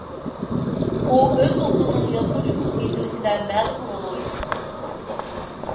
ئۇ ئۆز ئوغلىنىڭ يازغۇچى بولۇپ يېتىلىشىدە مەلۇم رول ئوينىدى.